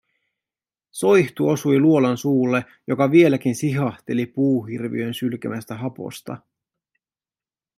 Soihtu osui luolan suulle, joka vieläkin sihahteli puuhirviön sylkemästä haposta.